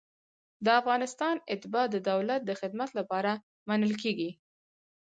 د افغانستان اتباع د دولت د خدمت لپاره منل کیږي.